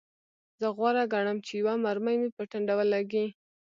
زه غوره ګڼم چې یوه مرمۍ مې په ټنډه ولګیږي